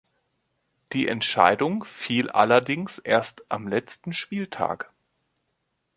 Die Entscheidung fiel allerdings erst am letzten Spieltag.